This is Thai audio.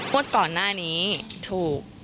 ว่าก่อนหน้านี้ถูก